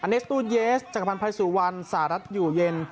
อเนสตูเยสจังหาพันธ์ภัยสู่วันสหรัฐอยู่เย็น